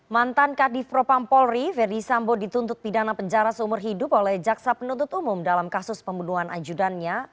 mantan kadif propampolri ferdisambo dituntut pidana penjara seumur hidup oleh jaksa penuntut umum dalam kasus pembunuhan anjudannya